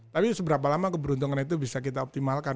tapi seberapa lama keberuntungan itu bisa kita optimalkan